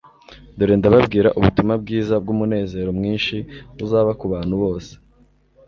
dore ndababwira ubutumwa bwiza bw'umunezero mwinshi uzaba ku bantu bose